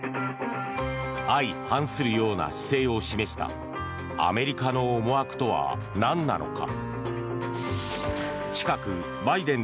相反するような姿勢を示したアメリカの思惑とはなんなのか。